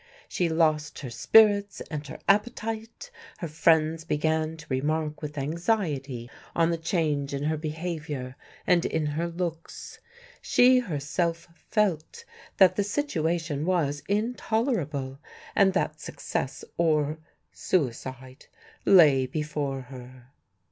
She lost her spirits and her appetite; her friends began to remark with anxiety on the change in her behaviour and in her looks. She herself felt that the situation was intolerable, and that success or suicide lay before her.